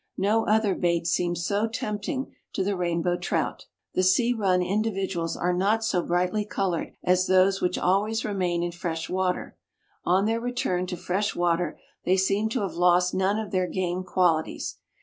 No other bait seems so tempting to the Rainbow Trout. The sea run individuals are not so brightly colored as those which always remain in fresh water. On their return to fresh water they seem to have lost none of their game qualities.